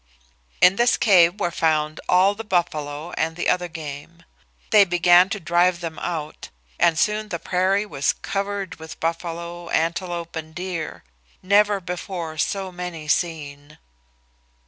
In this cave were found all the buffalo and the other game. They began to drive them out, and soon the prairie was covered with buffalo, antelope, and deer. Never before were so many seen.